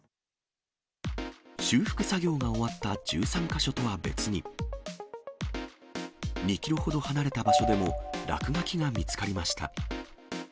修復作業が終わった１３か所とは別に、２キロほど離れた場所でも落書きが見つかりました。